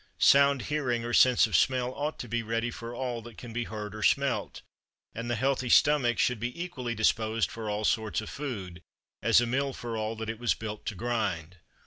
Sound hearing or sense of smell ought to be ready for all that can be heard or smelt; and the healthy stomach should be equally disposed for all sorts of food, as a mill for all that it was built to grind.